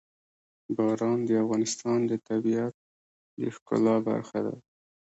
باران د افغانستان د طبیعت د ښکلا برخه ده.